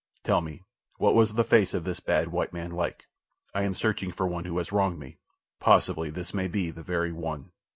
Tell me, what was the face of this bad white man like? I am searching for one who has wronged me. Possibly this may be the very one."